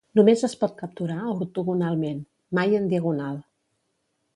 Només es pot capturar ortogonalment, mai en diagonal.